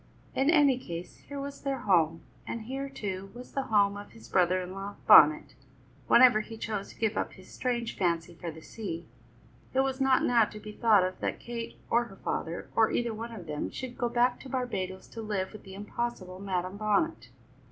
In any case, here was their home; and here, too, was the home of his brother in law, Bonnet, whenever he chose to give up his strange fancy for the sea. It was not now to be thought of that Kate or her father, or either one of them, should go back to Barbadoes to live with the impossible Madam Bonnet.